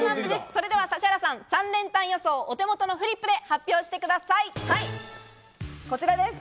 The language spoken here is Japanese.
それでは指原さん、３連単予想、お手元のフリップでこちらです。